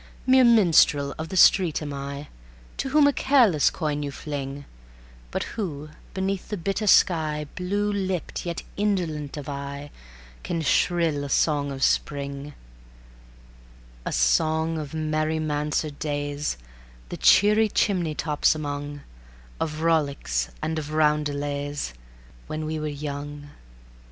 Mere minstrel of the street am I, To whom a careless coin you fling; But who, beneath the bitter sky, Blue lipped, yet insolent of eye, Can shrill a song of Spring; A song of merry mansard days, The cheery chimney tops among; Of rolics and of roundelays When we were young